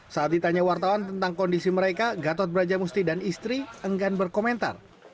saat ditanya wartawan tentang kondisi mereka gatot brajamusti dan istri enggan berkomentar